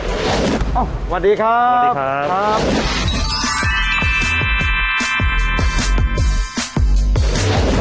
สวัสดีครับสวัสดีครับ